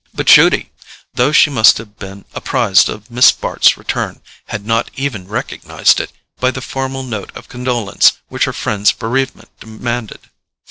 But Judy, though she must have been apprised of Miss Bart's return, had not even recognized it by the formal note of condolence which her friend's bereavement demanded.